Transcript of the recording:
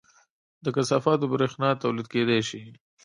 له کثافاتو بریښنا تولید کیدی شي